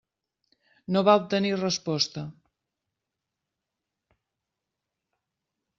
No va obtenir resposta.